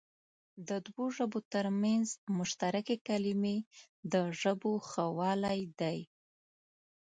د دوو ژبو تر منځ مشترکې کلمې د ژبو ښهوالی دئ.